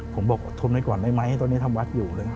ผมบอกทนไว้ก่อนได้ไหมตอนนี้ทำวัดอยู่เลย